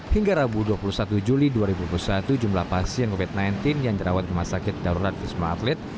hingga rabu dua puluh satu juli dua ribu dua puluh satu jumlah pasien covid sembilan belas yang dirawat rumah sakit darurat wisma atlet